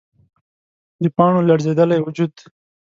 د پاڼو لړزیدلی وجود